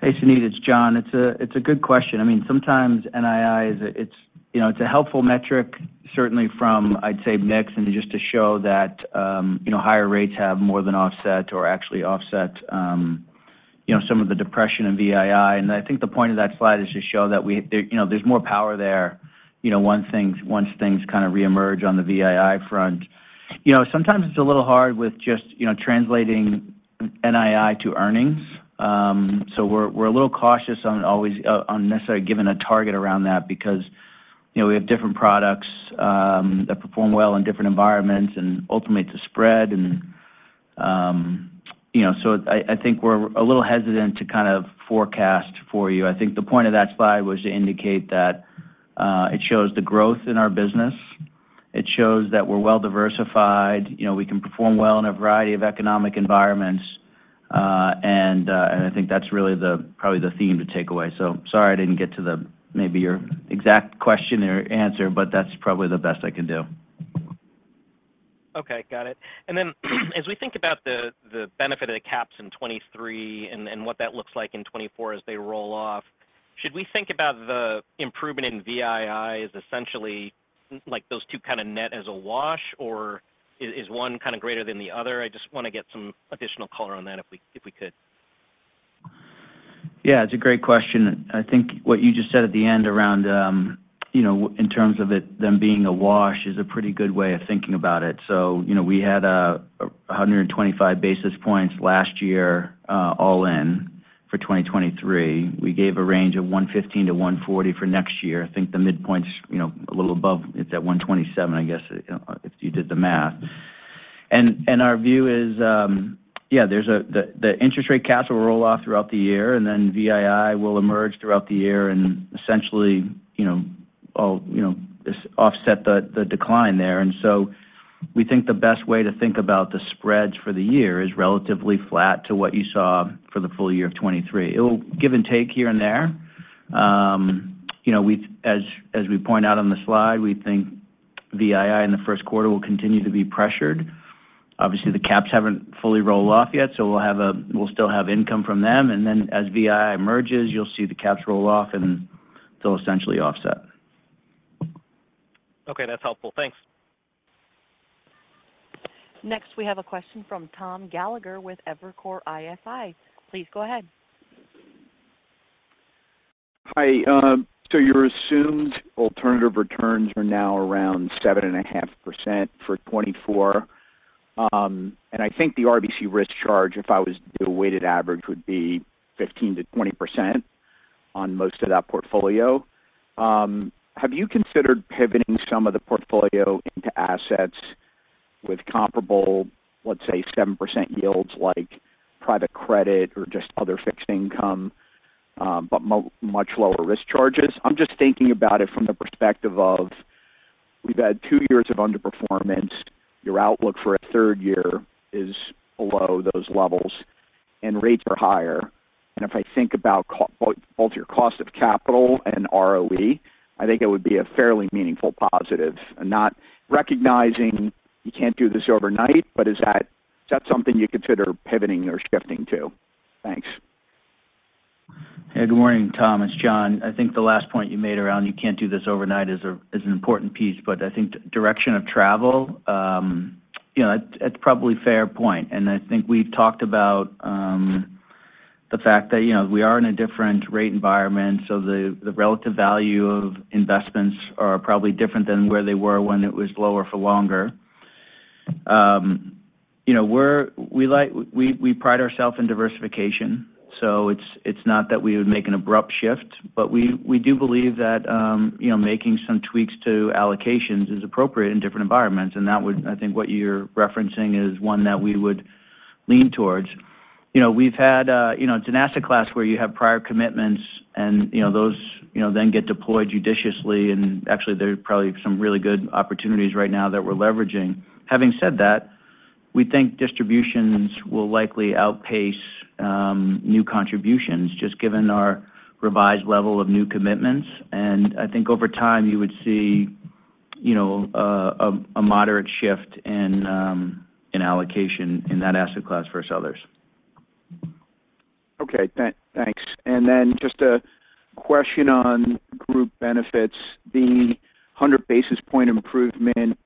Hey, Suneet, it's John. It's a good question. I mean, sometimes NII is a, it's, you know, it's a helpful metric, certainly from, I'd say, mix, and just to show that, you know, higher rates have more than offset or actually offset, you know, some of the depression in VII. And I think the point of that slide is to show that we, there, you know, there's more power there, you know, once things, once things kind of reemerge on the VII front. You know, sometimes it's a little hard with just, you know, translating NII to earnings. So we're a little cautious on always on necessarily giving a target around that because, you know, we have different products that perform well in different environments, and ultimately, it's a spread. And you know, so I think we're a little hesitant to kind of forecast for you. I think the point of that slide was to indicate that it shows the growth in our business. It shows that we're well diversified. You know, we can perform well in a variety of economic environments. And I think that's really the probably the theme to take away. So sorry, I didn't get to the maybe your exact question or answer, but that's probably the best I can do. Okay, got it. And then, as we think about the, the benefit of the caps in 2023 and, and what that looks like in 2024 as they roll off, should we think about the improvement in VII as essentially, like, those two kind of net as a wash, or is one kind of greater than the other? I just want to get some additional color on that if we, if we could. Yeah, it's a great question. I think what you just said at the end around, you know, in terms of it, them being a wash is a pretty good way of thinking about it. So, you know, we had 125 basis points last year, all in for 2023. We gave a range of 115-140 basis points for next year. I think the midpoint's, you know, a little above. It's at 127, I guess, if you did the math. And our view is, yeah, there's. The interest rate caps will roll off throughout the year, and then VII will emerge throughout the year and essentially, you know, offset the decline there. So we think the best way to think about the spreads for the year is relatively flat to what you saw for the full year of 2023. It'll give and take here and there. You know, as we point out on the slide, we think VII in the first quarter will continue to be pressured. Obviously, the caps haven't fully rolled off yet, so we'll still have income from them, and then as VII emerges, you'll see the caps roll off, and they'll essentially offset. Okay, that's helpful. Thanks. Next, we have a question from Tom Gallagher with Evercore ISI. Please go ahead. Hi. So your assumed alternative returns are now around 7.5% for 2024. And I think the RBC risk charge, if I was to do a weighted average, would be 15%-20% on most of that portfolio. Have you considered pivoting some of the portfolio into assets with comparable, let's say, 7% yields, like private credit or just other fixed income, but much lower risk charges? I'm just thinking about it from the perspective of we've had two years of underperformance. Your outlook for a third year is below those levels, and rates are higher. And if I think about both your cost of capital and ROE, I think it would be a fairly meaningful positive. Not recognizing you can't do this overnight, but is that, is that something you'd consider pivoting or shifting to? Thanks. Hey, good morning, Tom. It's John. I think the last point you made around you can't do this overnight is an important piece, but I think direction of travel, you know, it's probably a fair point. And I think we've talked about the fact that, you know, we are in a different rate environment, so the relative value of investments are probably different than where they were when it was lower for longer. You know, we pride ourself in diversification, so it's not that we would make an abrupt shift, but we do believe that, you know, making some tweaks to allocations is appropriate in different environments, and that would... I think what you're referencing is one that we would lean towards. You know, we've had, you know, it's an asset class where you have prior commitments, and, you know, those, you know, then get deployed judiciously, and actually, there are probably some really good opportunities right now that we're leveraging. Having said that, we think distributions will likely outpace, new contributions, just given our revised level of new commitments. And I think over time you would see, you know, a, a moderate shift in, in allocation in that asset class versus others. Okay. Thanks. And then just a question on Group Benefits. The 100 basis point improvement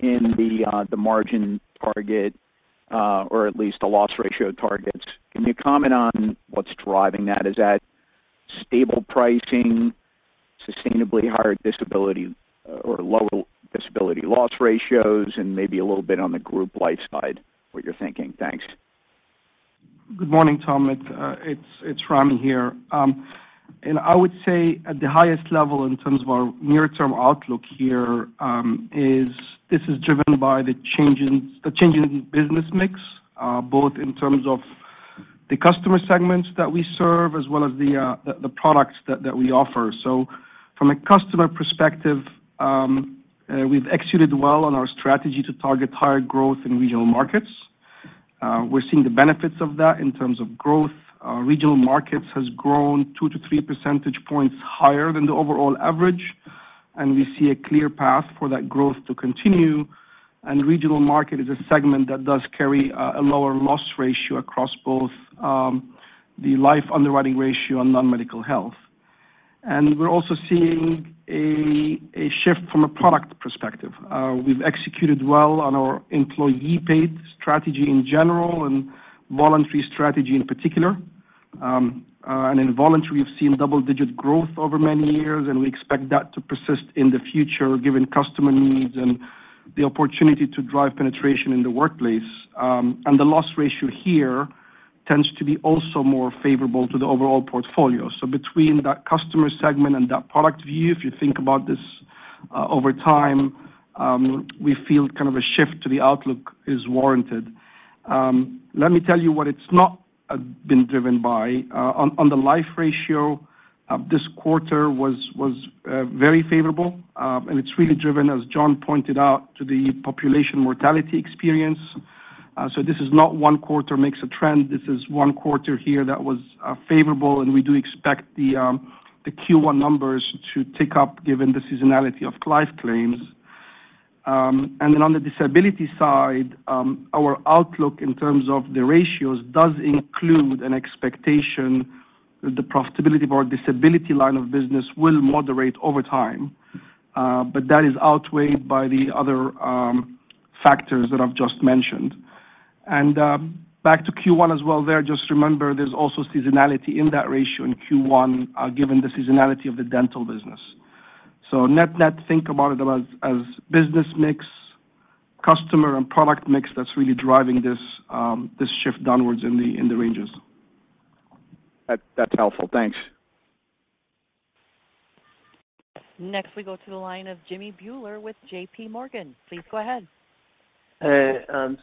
in the margin target, or at least the loss ratio targets, can you comment on what's driving that? Is that stable pricing, sustainably higher disability, or lower disability loss ratios, and maybe a little bit on the group life side, what you're thinking. Thanks. Good morning, Tom. It's Ramy here. And I would say at the highest level in terms of our near-term outlook here, this is driven by the changing business mix, both in terms of the customer segments that we serve, as well as the products that we offer. So from a customer perspective, we've executed well on our strategy to target higher growth in regional markets. We're seeing the benefits of that in terms of growth. Our regional markets has grown 2-3 percentage points higher than the overall average, and we see a clear path for that growth to continue. Regional market is a segment that does carry a lower loss ratio across both the life underwriting ratio and non-medical health. And we're also seeing a shift from a product perspective. We've executed well on our employee paid strategy in general and voluntary strategy in particular. And in voluntary, we've seen double-digit growth over many years, and we expect that to persist in the future, given customer needs and the opportunity to drive penetration in the workplace. And the loss ratio here tends to be also more favorable to the overall portfolio. So between that customer segment and that product view, if you think about this, over time, we feel kind of a shift to the outlook is warranted. Let me tell you what it's not been driven by. On the loss ratio, this quarter was very favorable, and it's really driven, as John pointed out, to the population mortality experience. So this is not one quarter makes a trend. This is one quarter here that was favorable, and we do expect the Q1 numbers to tick up given the seasonality of life claims. And then on the disability side, our outlook in terms of the ratios does include an expectation that the profitability of our disability line of business will moderate over time. But that is outweighed by the other factors that I've just mentioned. And back to Q1 as well there, just remember, there's also seasonality in that ratio in Q1 given the seasonality of the dental business. So net, net, think about it as business mix, customer and product mix that's really driving this shift downwards in the ranges. That's helpful. Thanks. Next, we go to the line of Jimmy Bhullar with JPMorgan. Please go ahead. So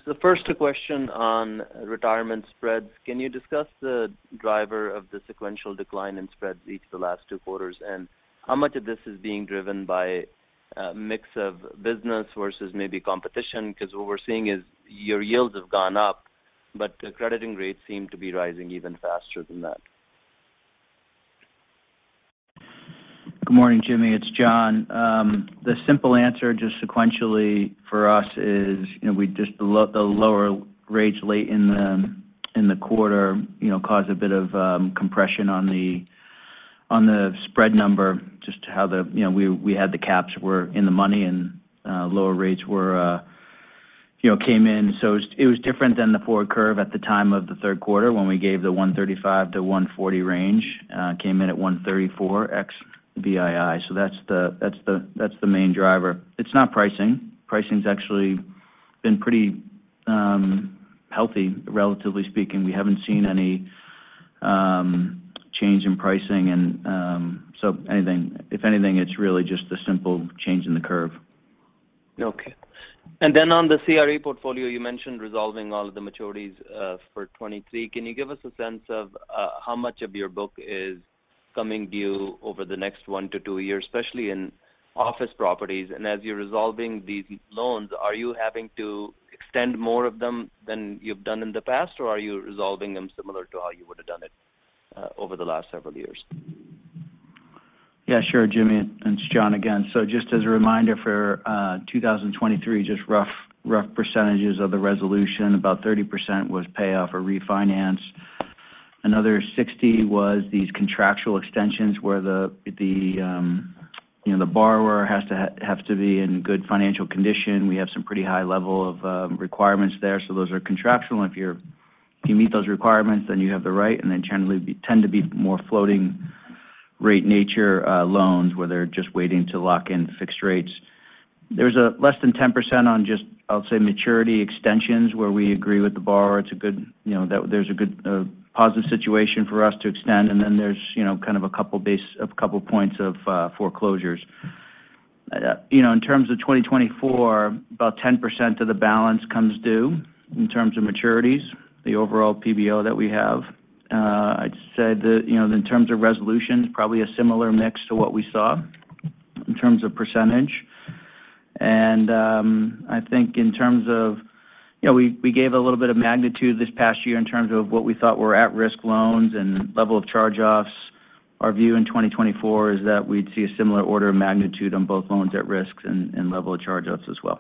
the first question on retirement spreads. Can you discuss the driver of the sequential decline in spreads each of the last two quarters? And how much of this is being driven by a mix of business versus maybe competition? Because what we're seeing is your yields have gone up, but the crediting rates seem to be rising even faster than that. Good morning, Jimmy. It's John. The simple answer, just sequentially for us is, you know, we just the lower rates late in the, in the quarter, you know, caused a bit of compression on the, on the spread number, just how the... You know, we, we had the caps were in the money, and lower rates were, you know, came in. So it, it was different than the forward curve at the time of the third quarter, when we gave the 135-140 range, came in at 134 ex VII. So that's the, that's the, that's the main driver. It's not pricing. Pricing's actually been pretty healthy, relatively speaking. We haven't seen any change in pricing and, so anything, if anything, it's really just a simple change in the curve. Okay. And then on the CRE portfolio, you mentioned resolving all of the maturities, for 2023. Can you give us a sense of, how much of your book is coming due over the next one to two years, especially in office properties? And as you're resolving these loans, are you having to extend more of them than you've done in the past, or are you resolving them similar to how you would have done it, over the last several years? Yeah, sure, Jimmy. It's John again. So just as a reminder, for 2023, just rough percentages of the resolution, about 30% was payoff or refinance. Another 60% was these contractual extensions, where the you know, the borrower has to have to be in good financial condition. We have some pretty high level of requirements there, so those are contractual. If you meet those requirements, then you have the right, and then generally, they tend to be more floating rate nature loans, where they're just waiting to lock in fixed rates. There's less than 10% on just, I'll say, maturity extensions, where we agree with the borrower. It's a good, you know, that there's a good, positive situation for us to extend, and then there's, you know, kind of a couple base- a couple points of foreclosures. You know, in terms of 2024, about 10% of the balance comes due in terms of maturities. The overall PBO that we have, I'd said that, you know, in terms of resolutions, probably a similar mix to what we saw in terms of percentage. And, I think in terms of... You know, we, we gave a little bit of magnitude this past year in terms of what we thought were at-risk loans and level of charge-offs. Our view in 2024 is that we'd see a similar order of magnitude on both loans at risk and level of charge-offs as well.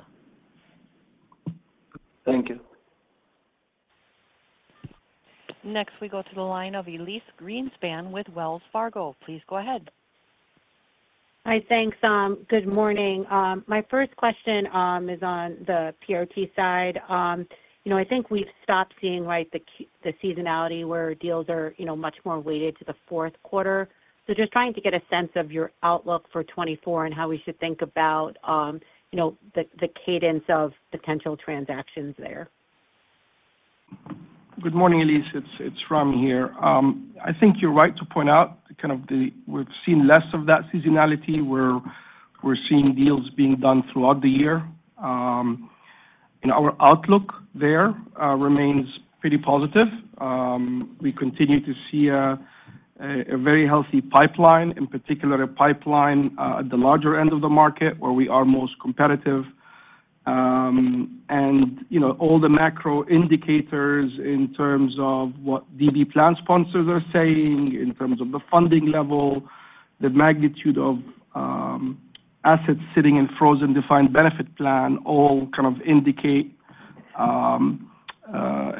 Thank you. Next, we go to the line of Elyse Greenspan with Wells Fargo. Please go ahead. Hi, thanks. Good morning. My first question is on the PRT side. You know, I think we've stopped seeing, right, the seasonality where deals are, you know, much more weighted to the fourth quarter. So just trying to get a sense of your outlook for 2024 and how we should think about, you know, the, the cadence of potential transactions there. Good morning, Elyse. It's Ramy here. I think you're right to point out kind of the—we've seen less of that seasonality, where we're seeing deals being done throughout the year. And our outlook there remains pretty positive. We continue to see a very healthy pipeline, in particular, a pipeline at the larger end of the market, where we are most competitive. And, you know, all the macro indicators in terms of what DB plan sponsors are saying, in terms of the funding level, the magnitude of assets sitting in frozen defined benefit plan, all kind of indicate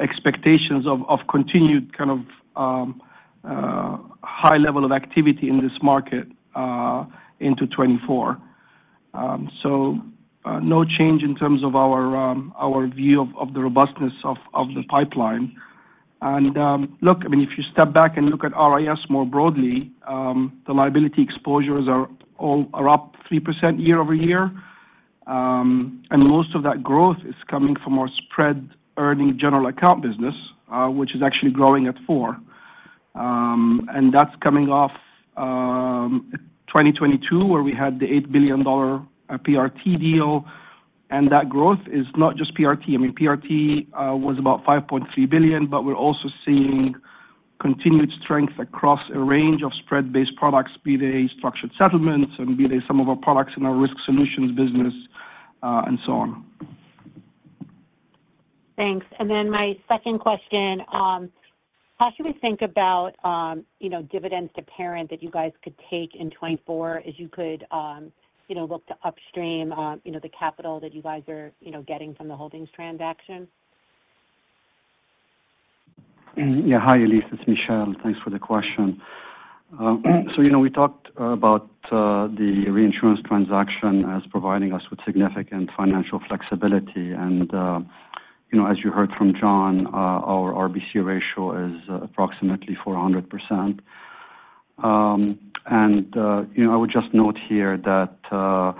expectations of continued kind of high level of activity in this market into 2024. So, no change in terms of our view of the robustness of the pipeline. Look, I mean, if you step back and look at RIS more broadly, the liability exposures are up 3% year-over-year. And most of that growth is coming from our spread earning general account business, which is actually growing at 4%. And that's coming off 2022, where we had the $8 billion PRT deal. And that growth is not just PRT. I mean, PRT was about $5.3 billion, but we're also seeing continued strength across a range of spread-based products, be they structured settlements and be they some of our products in our Risk Solutions business, and so on. Thanks. And then my second question, how should we think about, you know, dividends to parent that you guys could take in 2024, as you could, you know, upstream, you know, the capital that you guys are, you know, getting from the Holdings transaction? Yeah. Hi, Elyse, it's Michel. Thanks for the question. So, you know, we talked about the reinsurance transaction as providing us with significant financial flexibility. And, you know, as you heard from John, our RBC ratio is approximately 400%. And, you know, I would just note here that the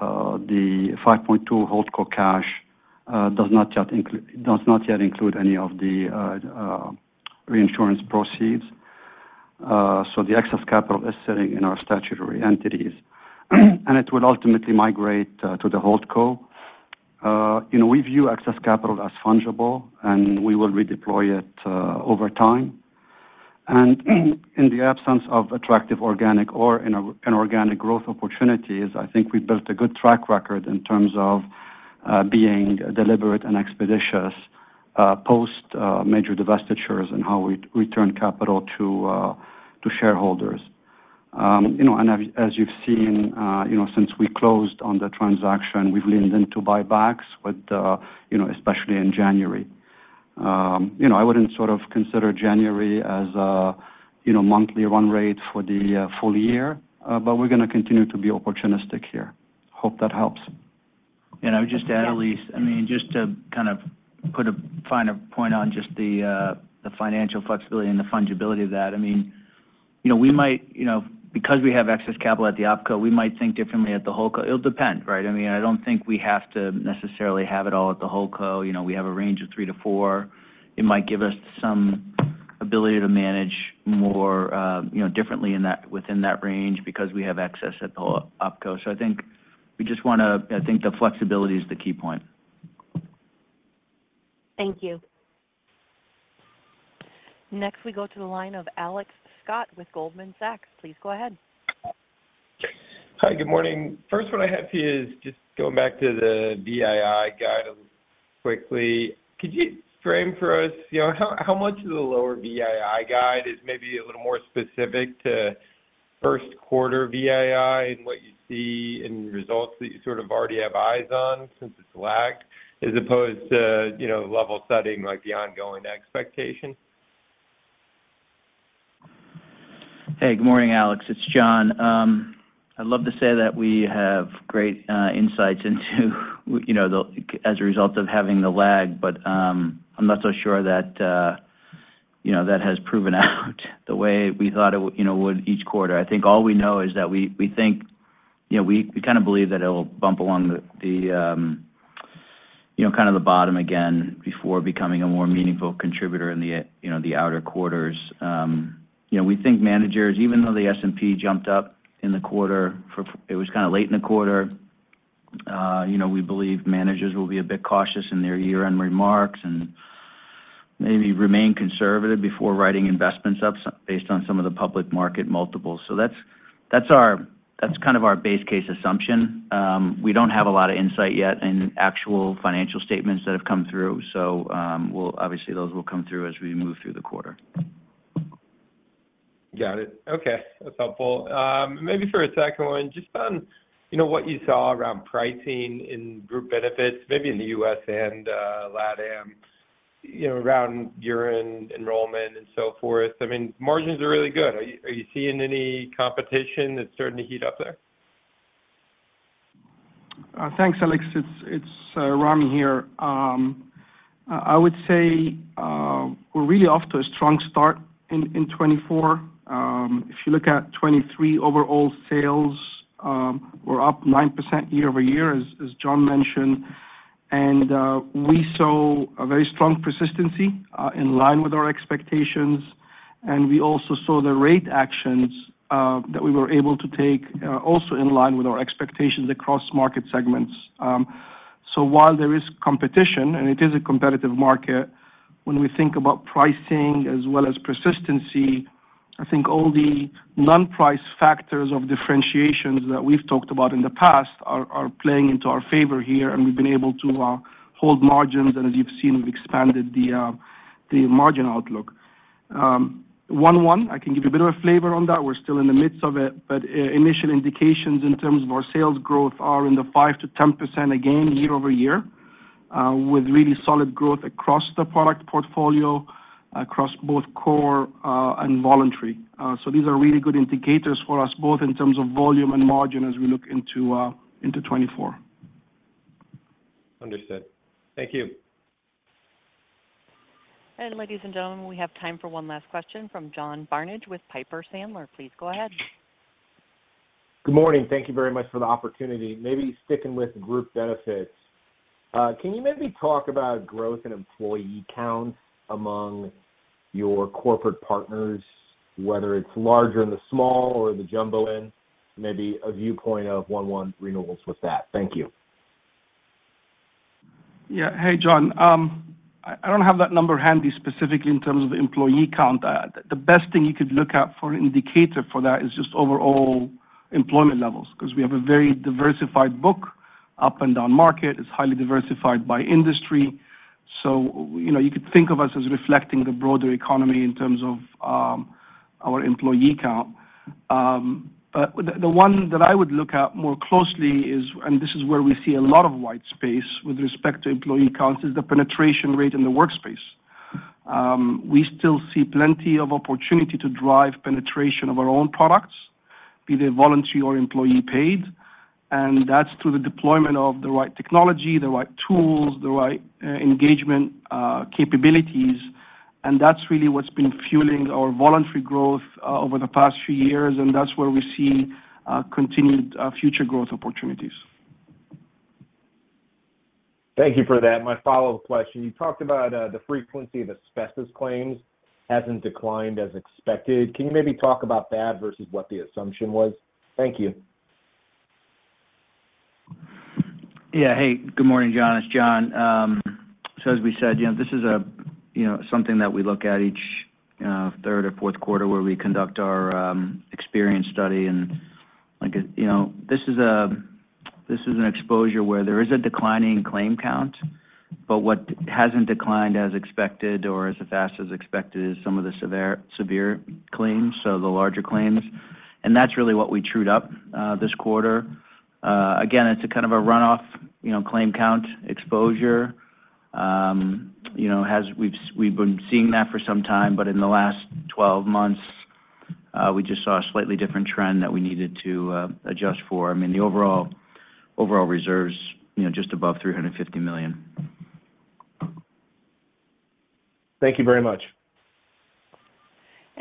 $5.2 HoldCo cash does not yet include any of the reinsurance proceeds. So the excess capital is sitting in our statutory entities, and it will ultimately migrate to the HoldCo. You know, we view excess capital as fungible, and we will redeploy it over time. In the absence of attractive organic or inorganic growth opportunities, I think we built a good track record in terms of being deliberate and expeditious post major divestitures and how we return capital to shareholders. You know, and as you've seen, you know, since we closed on the transaction, we've leaned into buybacks with, you know, especially in January. You know, I wouldn't sort of consider January as a, you know, monthly run rate for the full year, but we're going to continue to be opportunistic here. Hope that helps. I would just add, Elyse, I mean, just to kind of put a finer point on just the, the financial flexibility and the fungibility of that. I mean, you know, we might, you know, because we have excess capital at the OpCo, we might think differently at the HoldCo. It'll depend, right? I mean, I don't think we have to necessarily have it all at the HoldCo. You know, we have a range of 3-4. It might give us some ability to manage more, you know, differently in that, within that range because we have access at the OpCo. So I think we just want to... I think the flexibility is the key point. Thank you. Next, we go to the line of Alex Scott with Goldman Sachs. Please go ahead. Hi, good morning. First, what I have here is just going back to the VII guide quickly. Could you frame for us, you know, how, how much of the lower VII guide is maybe a little more specific to first quarter VII and what you see in results that you sort of already have eyes on since it's lagged, as opposed to, you know, level setting, like the ongoing expectation? Hey, good morning, Alex. It's John. I'd love to say that we have great insights into, you know, as a result of having the lag, but I'm not so sure that, you know, that has proven out the way we thought it would each quarter. I think all we know is that we think, you know, we kind of believe that it will bump along the bottom again before becoming a more meaningful contributor in the outer quarters. You know, we think managers, even though the S&P jumped up in the quarter, it was kind of late in the quarter, you know, we believe managers will be a bit cautious in their year-end remarks and maybe remain conservative before writing investments up based on some of the public market multiples. So that's our base case assumption. We don't have a lot of insight yet in actual financial statements that have come through, so obviously, those will come through as we move through the quarter. Got it. Okay, that's helpful. Maybe for a second one, just on, you know, what you saw around pricing in Group Benefits, maybe in the U.S. and LatAm. You know, around year-end enrollment and so forth, I mean, margins are really good. Are you seeing any competition that's starting to heat up there? Thanks, Alex. It's Ramy here. I would say we're really off to a strong start in 2024. If you look at 2023 overall sales, we're up 9% year-over-year, as John mentioned. We saw a very strong persistency in line with our expectations, and we also saw the rate actions that we were able to take also in line with our expectations across market segments. So while there is competition, and it is a competitive market, when we think about pricing as well as persistency, I think all the non-price factors of differentiations that we've talked about in the past are playing into our favor here, and we've been able to hold margins, and as you've seen, we've expanded the margin outlook. 1/1, I can give you a bit of a flavor on that. We're still in the midst of it, but initial indications in terms of our sales growth are in the 5%-10%, again, year-over-year, with really solid growth across the product portfolio, across both core and voluntary. So these are really good indicators for us, both in terms of volume and margin, as we look into 2024. Understood. Thank you. Ladies and gentlemen, we have time for one last question from John Barnidge with Piper Sandler. Please go ahead. Good morning. Thank you very much for the opportunity. Maybe sticking with Group Benefits, can you maybe talk about growth in employee count among your corporate partners, whether it's larger and the small or the jumbo end, maybe a viewpoint of 1/1 renewals with that? Thank you. Yeah. Hey, John. I don't have that number handy, specifically in terms of the employee count. The best thing you could look at for an indicator for that is just overall employment levels, 'cause we have a very diversified book, up and down market. It's highly diversified by industry. So, you know, you could think of us as reflecting the broader economy in terms of our employee count. But the one that I would look at more closely is, and this is where we see a lot of white space with respect to employee counts, is the penetration rate in the workspace. We still see plenty of opportunity to drive penetration of our own products, be they voluntary or employee-paid, and that's through the deployment of the right technology, the right tools, the right engagement capabilities, and that's really what's been fueling our voluntary growth over the past few years, and that's where we see continued future growth opportunities. Thank you for that. My follow-up question: You talked about the frequency of asbestos claims hasn't declined as expected. Can you maybe talk about that versus what the assumption was? Thank you. Yeah. Hey, good morning, John. It's John. So as we said, you know, this is a, you know, something that we look at each, third or fourth quarter, where we conduct our, experience study. And, like, you know, this is a, this is an exposure where there is a declining claim count, but what hasn't declined as expected or as fast as expected is some of the severe claims, so the larger claims, and that's really what we trued up, this quarter. Again, it's a kind of a runoff, you know, claim count exposure. You know, as we've, we've been seeing that for some time, but in the last 12 months, we just saw a slightly different trend that we needed to, adjust for. I mean, the overall, overall reserves, you know, just above $350 million. Thank you very much.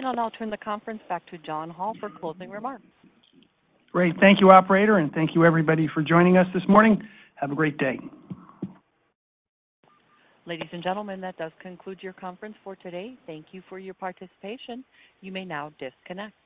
I'll now turn the conference back to John Hall for closing remarks. Great. Thank you, operator, and thank you everybody for joining us this morning. Have a great day. Ladies and gentlemen, that does conclude your conference for today. Thank you for your participation. You may now disconnect.